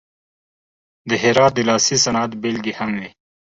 د هرات د لاسي صنعت بیلګې هم وې.